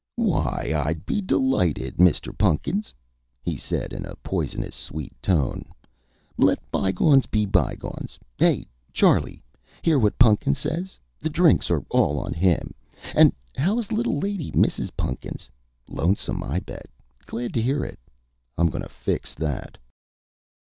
"Why, I'd be delighted, Mr. Pun'kins," he said in a poisonous sweet tone. "Let bygones be bygones. Hey, Charlie! Hear what Pun'kins says? The drinks are all on him! And how is the Little Lady, Mrs. Pun'kins? Lonesome, I bet. Glad to hear it. I'm gonna fix that!"